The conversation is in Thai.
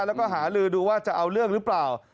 แล้วก็หาลือดูว่าจะเอาเรื่องหรือเปล่า